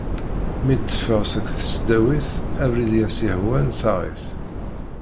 Mi d-teffeɣ seg tesdawit, abrid i as-yehwan taɣ-it.